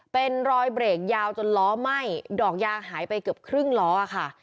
เป็นรอยเบรกยาวจนล้อไหม้ดอกยางหายไปเกือบครึ่งล้อค่ะ